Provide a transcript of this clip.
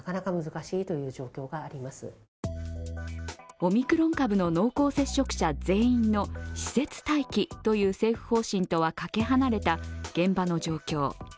オミクロン株の濃厚接触者全員の施設待機という政府方針とはかけ離れた現場の状況。